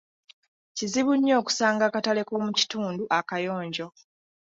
Kizibu nnyo okusanga akatale k'omu kitundu akayonjo.